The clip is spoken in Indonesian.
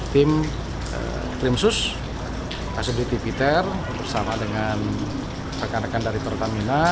tim krimsus pak subditi piter bersama dengan rekan rekan dari pertamina melakukan